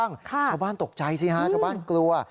ชาวบ้านตกใจสิฮะชาวบ้านกลัว